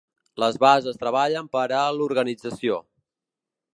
Les bases treballen per a l’organització.